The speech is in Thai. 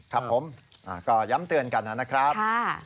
ครับผมก็ย้ำเตือนกันนะครับ